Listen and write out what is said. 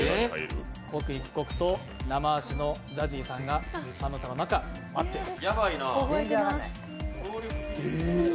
刻一刻と生足のＺＡＺＹさんが生足のまま待ってます。